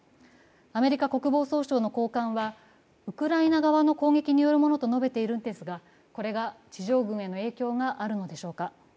アメリカ国防総省の高官は、ウクライナ側の攻撃によるものと述べているのですが、これが地上軍への影響があるのでしょうか。